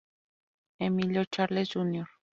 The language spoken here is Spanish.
Emilio Charles, Jr.